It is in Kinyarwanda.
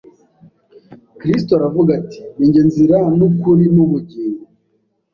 Kristo aravuga ati: “Ni jye nzira n’ukuri n’ubugingo: